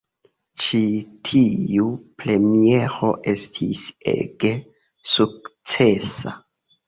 Ĉi tiu premiero estis ege sukcesa.